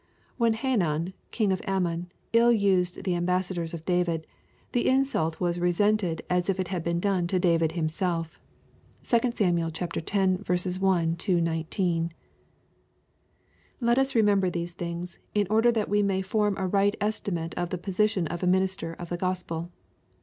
When Hanun, king of Ammon, ill used the ambassadors of Davidj the insult was resented as if it had been done to David himself. (2 Sam. x. 1 — 19.) Let us remember these things, in order that we may form a right estimate of the position of a minister of the Gospel.